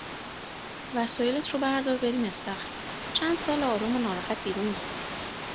وسایلت رو بردار بریم استخر! چند ساله آرام و ناراحت بیرون میره